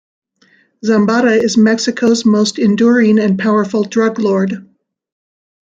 Zambada is Mexico's most enduring and powerful drug lord.